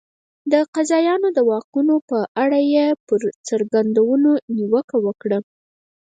د قاضیانو د واکونو په اړه یې پر څرګندونو نیوکه وکړه.